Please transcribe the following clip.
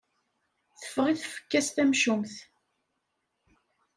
Teffeɣ i tfekka-s tamcumt.